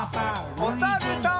おさるさん。